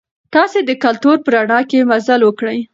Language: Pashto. تاسي د کلتور په رڼا کې مزل وکړئ.